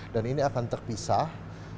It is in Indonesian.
dan ini akan terpisah